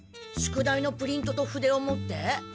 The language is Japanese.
宿題のプリントと筆を持って？